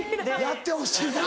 やってほしいな。